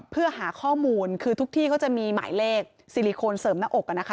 เพื่อหาข้อมูลคือทุกที่เขาจะมีหมายเลขซิลิโคนเสริมหน้าอก